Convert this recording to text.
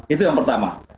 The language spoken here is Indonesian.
itu yang pertama